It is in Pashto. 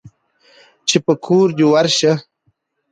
چې په کور دى ورشه.